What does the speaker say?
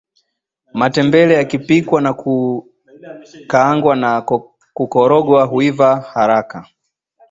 matembele yakipikwa na kukaangwa na kukoroga huiva haraka